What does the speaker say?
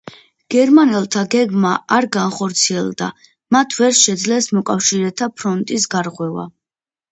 გერმანელთა გეგმა არ განხორციელდა, მათ ვერ შეძლეს მოკავშირეთა ფრონტის გარღვევა.